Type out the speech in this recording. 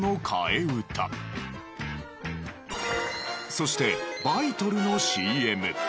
そしてバイトルのＣＭ。